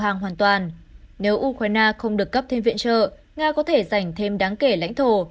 hàng hoàn toàn nếu ukraine không được cấp thêm viện trợ nga có thể giành thêm đáng kể lãnh thổ